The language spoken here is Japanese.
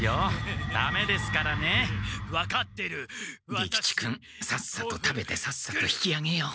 利吉君さっさと食べてさっさと引きあげよう。